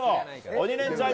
「鬼レンチャン」